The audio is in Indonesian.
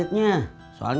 dimana ada seorang pek